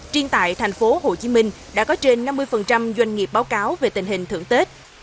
triên tại thành phố hồ chí minh đã có trên năm mươi doanh nghiệp báo cáo về tình hình thưởng tết